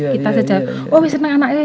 kita saja oh senang anaknya